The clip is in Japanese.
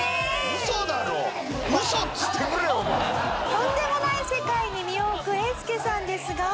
とんでもない世界に身を置くえーすけさんですが。